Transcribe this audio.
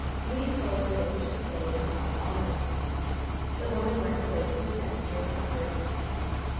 Le told her that he should stay at home all night. The woman went away to attend to his comforts.